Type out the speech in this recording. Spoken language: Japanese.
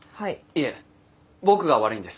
いえ僕が悪いんです。